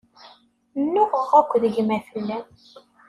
Nuɣeɣ akked gma fell-am.